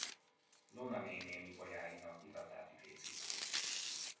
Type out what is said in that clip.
Lona néném ibolyáinak illatát idézi.